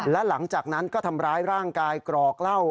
และหลังจากนั้นก็ทำร้ายร่างกายกรอกเหล้า